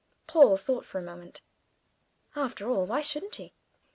Paul thought for a moment. After all, why shouldn't he?